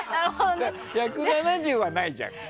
１７０はないじゃん。